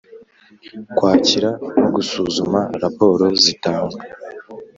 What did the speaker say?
Kwakira no gusuzuma raporo zitangwa